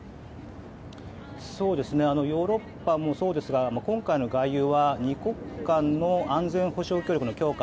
ヨーロッパもそうですが今回の外遊は２国間の安全保障協力の強化